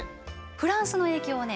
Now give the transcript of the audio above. フランスの影響はね